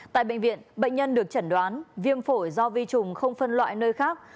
tại bệnh viện bệnh nhân được chẩn đoán viêm phổi do vi trùng không phân loại nơi khác